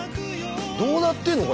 どうなってんの？